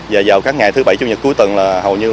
và vào các ngày thứ bảy chủ nhật cuối tuần